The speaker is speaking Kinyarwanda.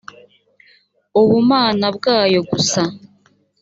ubumana bwayo gusa